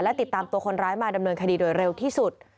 และติดตามตัวคนร้ายมาดำเนินคดีโดยเร็วที่สุด